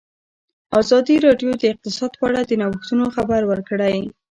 ازادي راډیو د اقتصاد په اړه د نوښتونو خبر ورکړی.